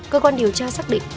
cơ quan điều tra xác định